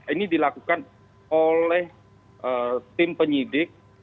ini dilakukan oleh tim penyidik